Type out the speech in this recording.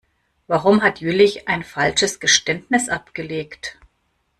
Warum hat Jüllich ein falsches Geständnis abgelegt?